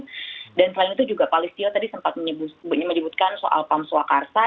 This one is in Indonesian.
assepereen dan selain itu juga pak listil tadi sempat menyebutkan soal pamsuakarsa